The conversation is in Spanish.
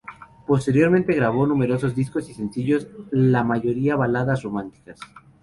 Posteriormente, grabó numerosos discos y sencillos, la mayoría baladas "románticas".